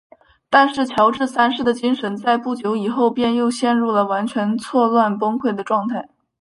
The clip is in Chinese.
但是乔治三世的精神在不久以后便又陷入了完全错乱崩溃的状态。